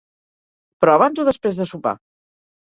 Però abans o després de sopar?